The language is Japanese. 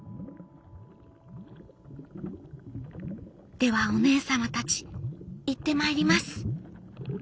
「ではお姉様たち行ってまいります」。